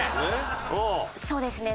そうですね